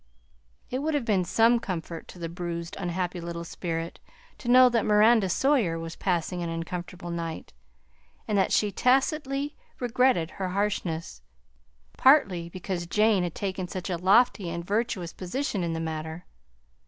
It would have been some comfort to the bruised, unhappy little spirit to know that Miranda Sawyer was passing an uncomfortable night, and that she tacitly regretted her harshness, partly because Jane had taken such a lofty and virtuous position in the matter.